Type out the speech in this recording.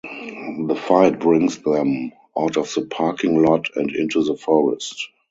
The fight brings them out of the parking lot and into the forest.